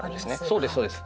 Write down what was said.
そうですそうです。